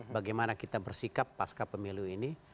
bagaimana kita bersikap pasca pemilu ini